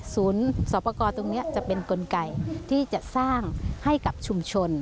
ศูนย์สอบประกอบตรงนี้จะเป็นกลไกที่จะสร้างให้กับชุมชน